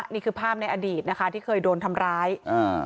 นี่คือภาพในอดีตนะคะที่เคยโดนทำร้ายอ่า